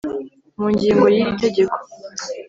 mu ngingo yiri tegeko